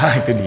ah itu dia